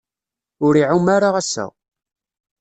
Ur iɛum ara ass-a.